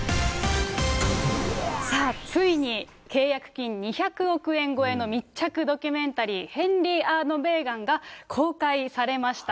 さあ、ついに契約金２００億円超えの密着ドキュメンタリー、ヘンリー＆メーガンが公開されました。